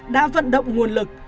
đã vận động nguồn lực